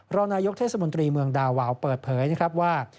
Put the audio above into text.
ร้อนายกเทศมุนตรีเมืองดาวาวเปิดเผยว่า